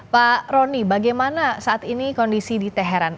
pak roni bagaimana saat ini kondisi di teheran